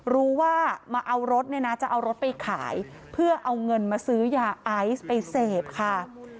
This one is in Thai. รู้ว่ามาเอารถเนี่ยนะจะเอารถไปขายเพื่อเอาเงินมาซื้อยาไอซ์ไปเสพค่ะ